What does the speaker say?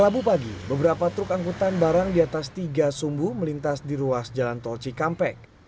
rabu pagi beberapa truk angkutan barang di atas tiga sumbu melintas di ruas jalan tol cikampek